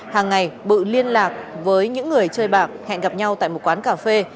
hàng ngày bự liên lạc với những người chơi bạc hẹn gặp nhau tại một quán cà phê